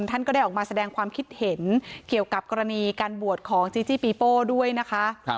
ท่านก็ได้ออกมาแสดงความคิดเห็นเกี่ยวกับกรณีการบวชของจีจี้ปีโป้ด้วยนะคะ